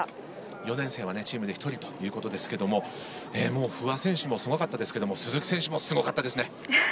４年生はチームで１人ということですが不破選手もすごかったですが鈴木選手もすごかったです。